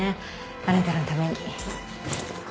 あなたのために。